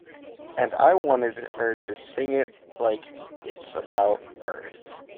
And I wanted her to sing it like it's about birth.